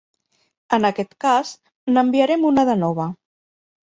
En aquest cas, n'enviarem una de nova.